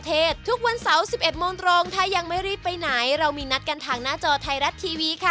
เป็นสมุนไพรสามสัญชาติค่ะ